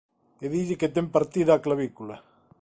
E dille que ten partida a clavícula.